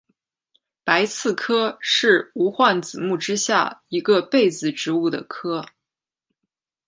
白刺科是无患子目之下一个被子植物的科。